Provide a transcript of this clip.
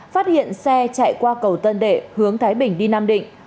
phát hiện xe chạy qua cầu tân đệ hướng thái bình đi nam định